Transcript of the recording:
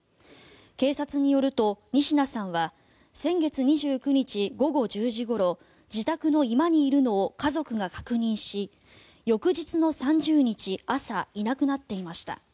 警察によると仁科さんは先月２９日午後１０時ごろ自宅の居間にいるのを家族が確認し翌日の３０日朝いなくなっていました。